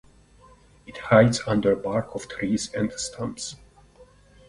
It hides under bark of trees and stumps.